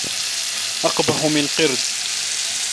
أقبح من قرد